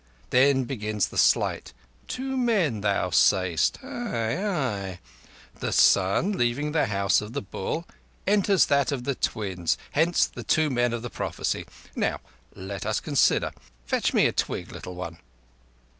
Then begins the Sight. Two men—thou sayest? Ay, ay. The Sun, leaving the House of the Bull, enters that of the Twins. Hence the two men of the prophecy. Let us now consider. Fetch me a twig, little one."